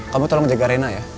kamu tolong jaga rena ya